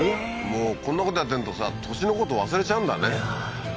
もうこんなことやってるとさ年のこと忘れちゃうんだね